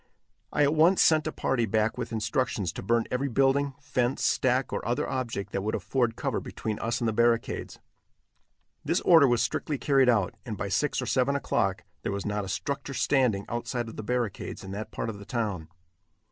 I at once sent a party back with instructions to burn every building, fence, stack or other object that would afford cover between us and the barricades. This order was strictly carried out, and by six or seven o'clock there was not a structure standing outside of the barricades in that part of the town.